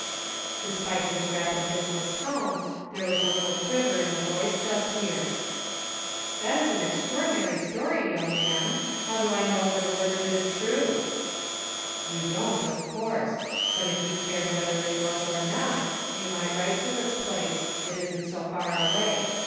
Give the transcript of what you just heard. Despite his rapid business tone, there was a little quiver in the voice just here. " That is an extraordinary story, young man. How do I know that a word of it is true }"" You don't, of course ; but if you cared whether it was or not, you might write to this place ; it isn't so far away.